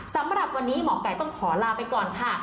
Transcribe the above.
สำหรับวันนี้หมอไก่ต้องขอลาไปก่อนค่ะ